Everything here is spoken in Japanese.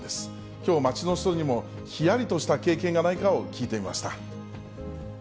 きょう、街の人にもひやりとした経験がないかを聞いてみました。